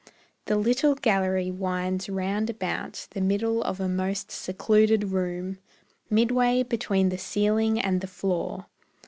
The little gallery winds round about The middle of a most secluded room, Midway between the ceiling and the floor.